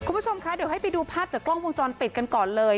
คุณผู้ชมคะเดี๋ยวให้ไปดูภาพจากกล้องวงจรปิดกันก่อนเลย